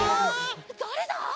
だれだ！？